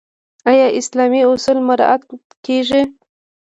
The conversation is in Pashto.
آیا اسلامي اصول مراعات کیږي؟